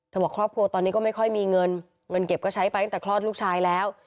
บอกครอบครัวตอนนี้ก็ไม่ค่อยมีเงินเงินเก็บก็ใช้ไปตั้งแต่คลอดลูกชายแล้ว